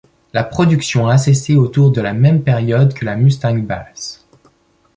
La production a cessé autour de la même période que la Mustang Bass.